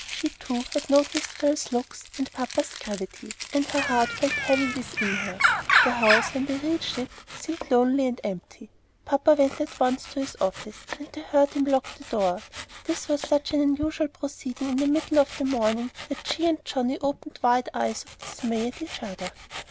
She, too, had noticed Phil's looks and papa's gravity, and her heart felt heavy within her. The house, when they reached it, seemed lonely and empty. Papa went at once to his office, and they heard him lock the door. This was such an unusual proceeding in the middle of the morning that she and Johnnie opened wide eyes of dismay at each other.